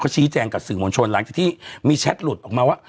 ชี้แจงกับสื่อมวลชนหลังจากที่มีแชทหลุดออกมาว่า